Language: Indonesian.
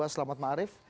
selamat mak arief